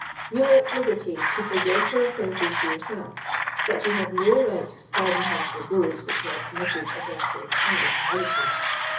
You were at liberty to forgive her offences to yourself, but you had no right to pardon her for those which she had committed against the entire community.